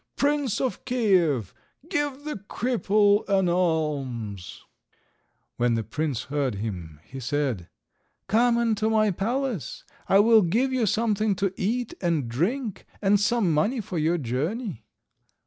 Prince of Kiev, give the cripple an alms." When the Prince heard him, he said— "Come into my palace. I will give you something to eat and drink, and some money for your journey."